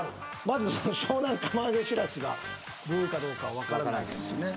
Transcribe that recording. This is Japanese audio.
まず湘南釜揚げしらすがブーかどうか分からないですしね